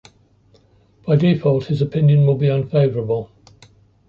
By default, his opinion will be unfavorable.